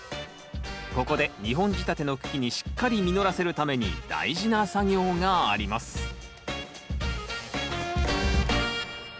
ここで２本仕立ての茎にしっかり実らせるために大事な作業があります先生